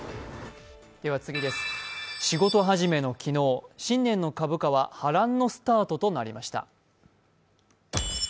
仕事始めの昨日、新年の株価は波乱のスタートとなりました。